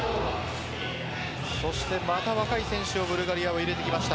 また若い選手をブルガリアは入れてきました。